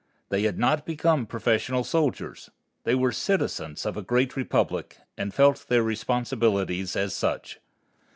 They had not become professional soldiers. They were citizens of a great republic, and felt their responsibilities as such.